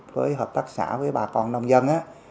với hợp tác xã với bà con nông dân